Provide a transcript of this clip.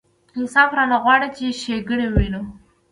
انصاف رانه غواړي چې ښېګڼې وینو.